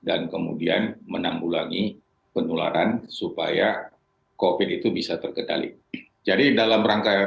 dan kemudian menanggulangi penularan supaya covid itu bisa tergedali jadi dalam rangka